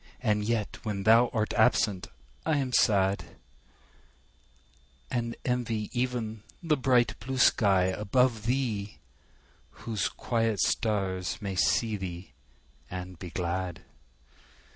And yet when thou art absent I am sad; And envy even the bright blue sky above thee, Whose quiet stars may see thee and be glad.